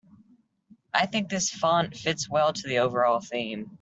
I think this font fits well to the overall theme.